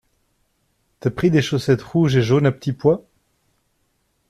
T'as pris des chaussettes rouges et jaunes à petits pois?